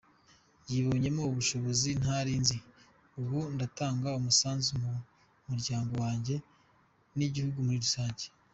Nibonyemo ubushobozi ntari nzi, ubu ndatanga umusanzu mu muryango wanjye n’igihugu muri rusange”.